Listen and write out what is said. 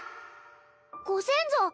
ご先祖！